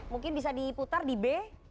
mungkin bisa diputar di b